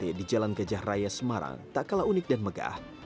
masjid agung jawa tengah majt di jalan gejah raya semarang tak kalah unik dan megah